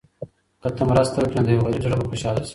که ته مرسته وکړې، نو د یو غریب زړه به خوشحاله شي.